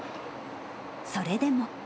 それでも。